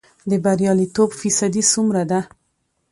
د بریالیتوب فیصدی څومره ده؟